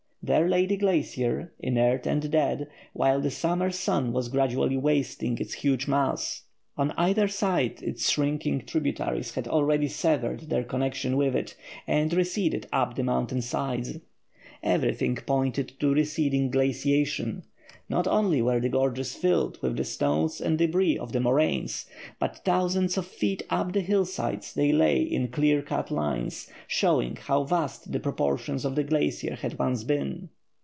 There lay the glacier, inert and dead, while the summer sun was gradually wasting its huge mass. On either side its shrinking tributaries had already severed their connection with it, and receded up the mountain sides. Everything pointed to receding glaciation. Not only were the gorges filled with the stones and débris of the moraines, but thousands of feet up the hill sides they lay in clear cut lines, showing how vast the proportions of the glacier had once been.